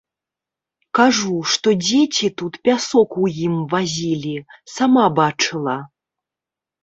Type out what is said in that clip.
Кажу, што дзеці тут пясок у ім вазілі, сама бачыла.